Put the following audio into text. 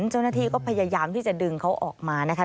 เจ้าหน้าที่ก็พยายามที่จะดึงเขาออกมานะคะ